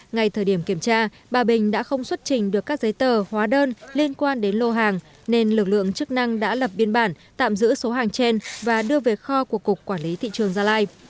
ngay thời điểm kiểm tra bà bình đã không xuất trình được các giấy tờ hóa đơn liên quan đến lô hàng nên lực lượng chức năng đã lập biên bản tạm giữ số hàng trên và đưa về kho của cục quản lý thị trường gia lai